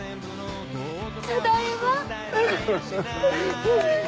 ただいま。